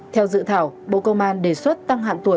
theo dự thảo bộ công an đề xuất tăng hạn tuổi